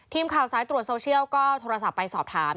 ทีมข่าวสายตรวจโซเชียลก็โทรศัพท์ไปสอบถาม